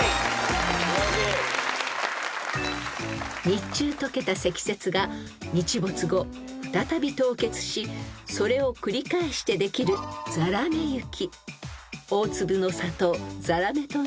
［日中とけた積雪が日没後再び凍結しそれを繰り返してできるざらめ雪］